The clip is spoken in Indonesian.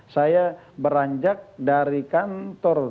saya beranjak dari kantor